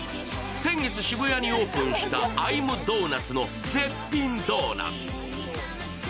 先月渋谷にオープンしたＩ’ｍｄｏｎｕｔ？の絶品ドーナツ。